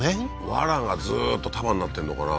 ワラがずーっと束になってんのかな？